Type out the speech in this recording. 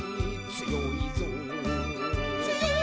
「つよいぞ」